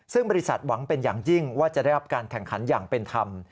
ซึ่งบริษัทหวังเป็นอย่างยิ่งว่าจะได้รับการแข่งขันอย่างเป็นธรรม